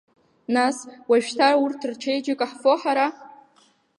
Нас, уажәшьҭа урҭ рчеиџьыка ҳфо ҳара?!